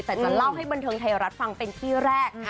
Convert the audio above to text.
แต่จะเล่าให้บันเทิงไทยรัฐฟังเป็นที่แรก